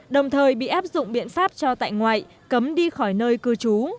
đồng thời bị áp dụng biện pháp cho tại ngoại cấm đi khỏi nơi cư trú